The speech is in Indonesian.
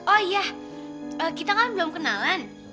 oh ya kita kan belum kenalan